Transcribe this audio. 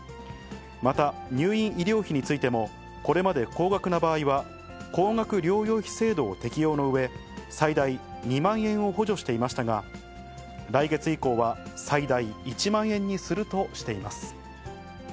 また入院医療費についても、これまで高額な場合は、高額療養費制度を適用のうえ、最大２万円を補助していましたが、来月以降は最大１万円にするとしています。